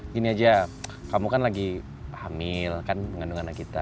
gini aja kamu kan lagi hamil kan mengandung anak kita